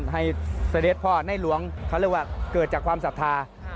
ให้เสด็จเวรี่นิสาธารณ์พ่อให้คริสตร์น้ายหลวงเขาเรียกว่าเกิดจากความศรรษภาพ